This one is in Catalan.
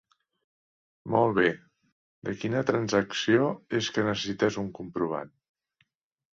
Molt bé, de quina transacció és que necessites un comprovant?